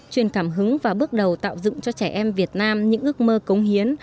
truyền cảm hứng và bước đầu tạo dựng cho trẻ em việt nam những ước mơ cống hiến